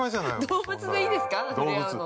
◆動物でいいですか、触れ合うの。